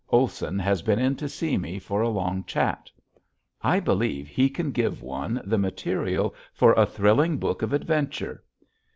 Olson has been in to see me for a long chat. I believe he can give one the material for a thrilling book of adventure.